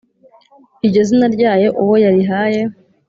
iryo zina ryayo uwo yarihaye